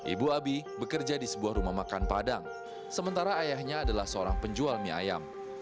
ibu abi bekerja di sebuah rumah makan padang sementara ayahnya adalah seorang penjual mie ayam